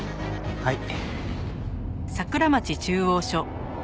はい。